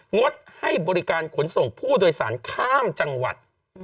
งดให้บริการขนส่งผู้โดยสารข้ามจังหวัด